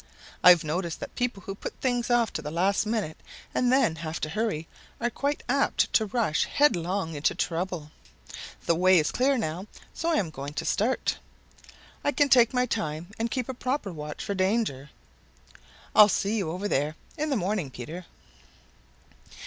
I've noticed that people who put things off to the last minute and then have to hurry are quite apt to rush headlong into trouble. The way is clear now, so I am going to start. I can take my time and keep a proper watch for danger. I'll see you over there in the morning, Peter."